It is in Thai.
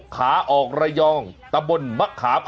ขาออกระยองตะบนมะขาม